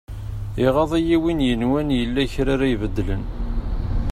Iɣaḍ-iyi win yenwan yella kra ara ibedlen.